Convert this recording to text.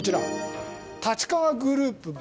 立川グループ